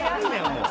もう。